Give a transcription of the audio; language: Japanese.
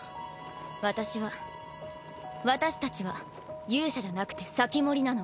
私は私たちは勇者じゃなくて防人なの。